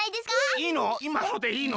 いいの？